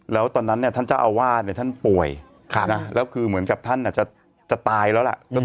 แล้วตอนนั้นเนี่ยท่านเจ้าอาวาสท่านป่วยแล้วคือเหมือนกับท่านอาจจะตายแล้วล่ะ